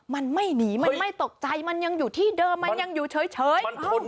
มันไม่หนีมันไม่ตกใจมันยังอยู่ที่เดิมมันยังอยู่เฉย